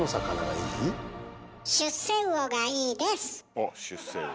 おっ出世魚。